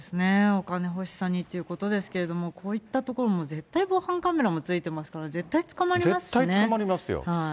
お金欲しさにっていうことですけれども、こういった所、絶対防犯カメラ付いてますから、絶対捕まりますよ。